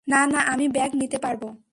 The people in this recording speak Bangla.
না, না, আমি ব্যাগ নিতে পারব।